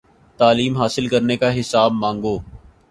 تعلیم حاصل کرنے کا حساب مانگو